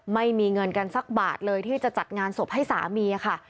ไม่มีเงินกันสักบาทเลยที่จะจัดงานศพให้สามีค่ะ